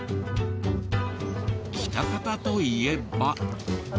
喜多方といえば。